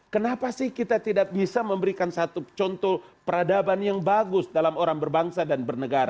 kenapa sih kita tidak bisa memberikan satu contoh peradaban yang bagus dalam orang berbangsa dan bernegara